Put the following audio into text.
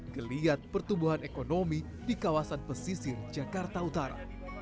geliat pertumbuhan ekonomi di kawasan pesisir jakarta utara